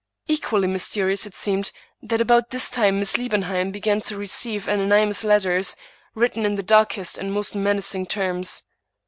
Equally mysterious it seemed, that about this time Miss Liebenheim began to receive anonymous letters, written in the darkest and most menacing terms.